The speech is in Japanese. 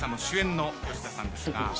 主演の吉田さんですが。